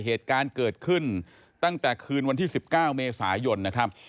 เหตุการณ์เกิดขึ้นตั้งแต่คืนวันที่๑๙เมษายนนะครับ